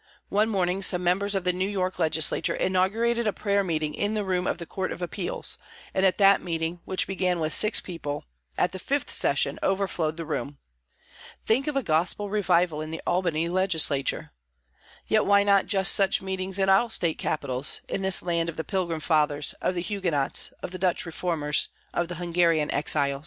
One morning some members of the New York legislature inaugurated a prayer meeting in the room of the Court of Appeals, and that meeting, which began with six people, at the fifth session overflowed the room. Think of a Gospel Revival in the Albany Legislature! Yet why not just such meetings at all State Capitals, in this land of the Pilgrim Fathers, of the Huguenots, of the Dutch reformers, of the Hungarian exiles?